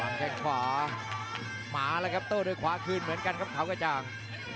ห่างเก็บขวามหมานะครับโต้ด้วยขวาคื่นเหมือนกันครับขาวประจ่าง